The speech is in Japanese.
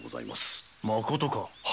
まことか？